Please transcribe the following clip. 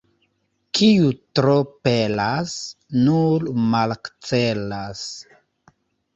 Kiu tro pelas, nur malakcelas.